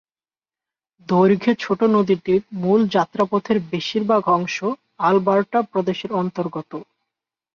দৈর্ঘ্যে ছোট নদীটির মূল যাত্রাপথের বেশীরভাগ অংশ আলবার্টা প্রদেশের অন্তর্গত।